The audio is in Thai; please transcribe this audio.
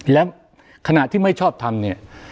และขณะที่ไม่ชอบทำ